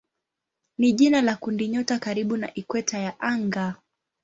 ni jina la kundinyota karibu na ikweta ya anga.